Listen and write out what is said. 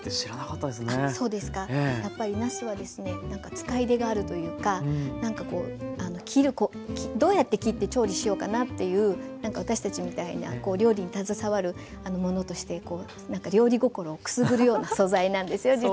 使いでがあるというかどうやって切って調理しようかなっていう私たちみたいな料理に携わる者として料理心をくすぐるような素材なんですよ実は。